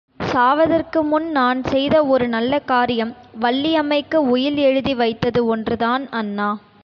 சாவதற்கு முன் நான் செய்த ஒரு நல்ல காரியம் வள்ளியம்மைக்கு உயில் எழுதி வைத்தது ஒன்றுதான் அண்ணா.